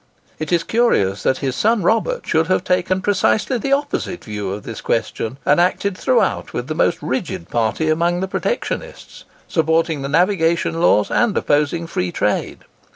It is curious that his son Robert should have taken precisely the opposite view of this question, and acted throughout with the most rigid party amongst the protectionists, supporting the Navigation Laws and opposing Free Trade.